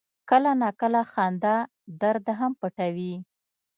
کله ناکله خندا درد هم پټوي.